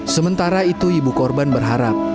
sementara itu ibu korban berharap